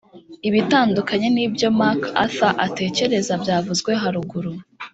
Ibitandukanye n'ibyo MacArthur atekereza byavuzwe haruguru,